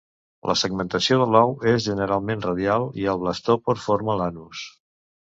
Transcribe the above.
La segmentació de l'ou és generalment radial i el blastòpor forma l'anus.